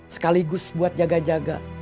sekaligus buat jaga jaga